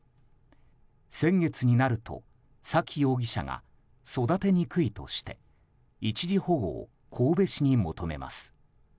先月になると、沙喜容疑者が育てにくいとして一時保護を神戸市に求めます。